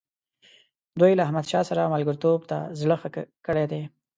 دوی له احمدشاه سره ملګرتوب ته زړه ښه کړی دی.